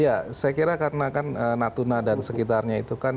ya saya kira karena kan natuna dan sekitarnya itu kan